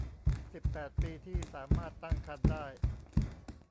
สิบแปด ปีที่สามารถตั้งครรภ์ได้